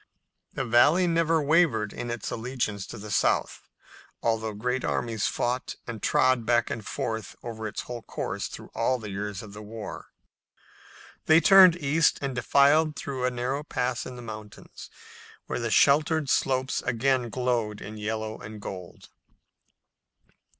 The Valley never wavered in its allegiance to the South, although great armies fought and trod back and forth over its whole course through all the years of the war. They turned east and defiled through a narrow pass in the mountains, where the sheltered slopes again glowed in yellow and gold.